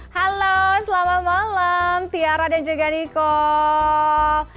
halo selamat malam tiara dan juga niko